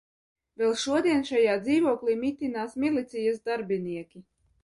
Vēl šodien šajā dzīvokli mitinās milicijas darbinieki.